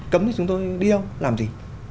cấm thì chúng tôi đi đâu làm gì